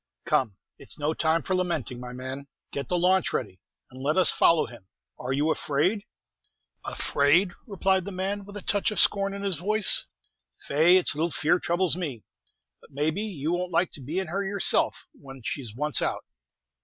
"Come, it's no time for lamenting, my man; get the launch ready, and let us follow him. Are you afraid?" "Afraid!" replied the man, with a touch of scorn in his voice; "faix, it's little fear troubles me. But, may be, you won't like to be in her yourself when she's once out.